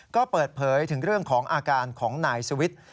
ก็เปิดเผยถึงเรื่องของอาการของนายสวิทย์